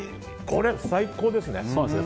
これ、最高ですね。